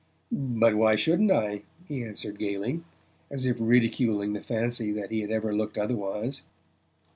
"But why shouldn't I?" he answered gaily, as if ridiculing the fancy that he had ever looked otherwise.